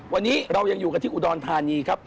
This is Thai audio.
วันนี้เรายังอยู่กันที่อุดรธานีครับ